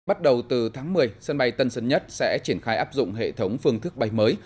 bắt đầu từ tháng một mươi sân bay tân sơn nhất sẽ triển khai áp dụng hệ thống phương thức bay mới